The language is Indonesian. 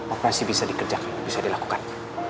operasi bisa dikerjakan bisa dilakukan